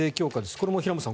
これも平元さん